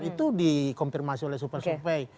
itu dikonfirmasi oleh super superpay